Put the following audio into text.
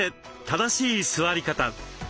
正しい座り方。